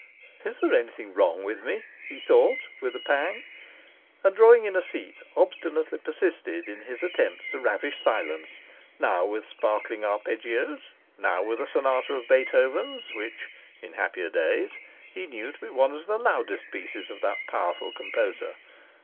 'Is there anything wrong with me?' he thought, with a pang; and drawing in a seat, obstinately persisted in his attempts to ravish silence, now with sparkling arpeggios, now with a sonata of Beethoven's which (in happier days) he knew to be one of the loudest pieces of that powerful composer.